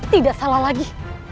tidak salah lagi